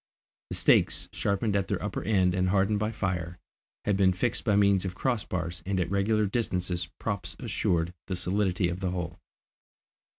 The stakes, sharpened at their upper end and hardened by fire, had been fixed by means of cross bars, and at regular distances props assured the solidity of the whole.